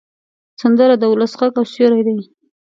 سندره د ولس غږ او سیوری ده